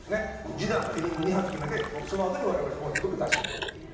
ジダンがヘディング２発決めてそのあとに我々婚姻届出しに行くっていう。